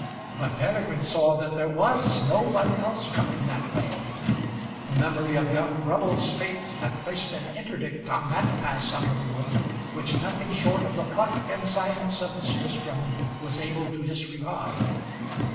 But Peregrine saw that there was no one else coming that way. The memory of young Grubbles' fate had placed an interdict on that pass out of the wood, which nothing short of the pluck and science of Miss Tristram was able to disregard.